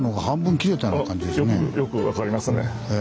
よく分かりますね。